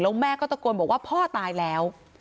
แล้วแม่ก็ตะโกนบอกว่าพ่อตายแล้ว